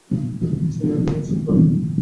চীন এটা নিশ্চিত করবে।